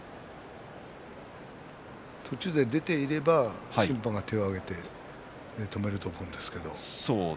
途中で出ていれば審判が手を上げて止めると思うんです。